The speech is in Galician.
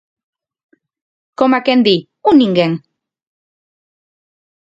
Coma quen di, un ninguén.